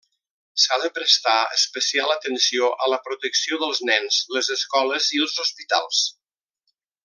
S'ha de prestar especial atenció a la protecció dels nens, les escoles i els hospitals.